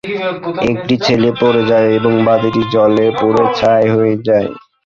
একটি ছেলে পড়ে যায় এবং বাতিটি জ্বলে পুড়ে ছাই হয়ে যায়।